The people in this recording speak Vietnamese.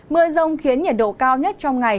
mưa rong khiến nhiệt độ cao nhất trong ngày